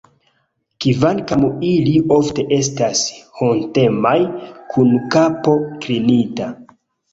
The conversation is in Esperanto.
Kvankam ili ofte estas hontemaj, kun kapo klinita.